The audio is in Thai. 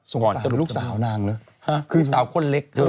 ส่วนสารลูกสาวนางเนอะคือสาวคนเล็กเนอะ